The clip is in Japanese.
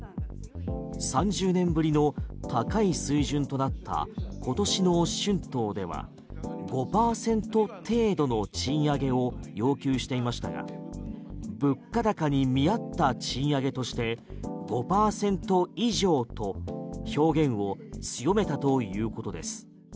３０年ぶりの高い水準となった今年の春闘では５％程度の賃上げを要求していましたが物価高に見合った賃上げとして５％以上と表現を強めたということです。